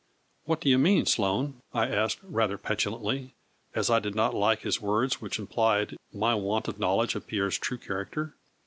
" What do you mean, Sloane ?" I asked, rather petulantly, as I did not like his words which implied my want of knowledge of Pierre's true character.